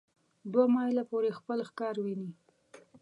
دوه مایله پورې خپل ښکار ویني.